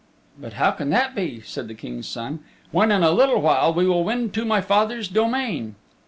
"But how can that be," said the King's Son, "when, in a little while we will win to my father's domain?"